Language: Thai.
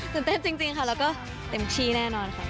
เต้นจริงค่ะแล้วก็เต็มที่แน่นอนค่ะ